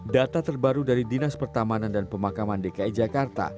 data terbaru dari dinas pertamanan dan pemakaman dki jakarta